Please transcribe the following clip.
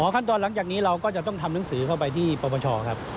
ขั้นตอนหลังจากนี้เราก็จะต้องทำหนังสือเข้าไปที่ปปชครับ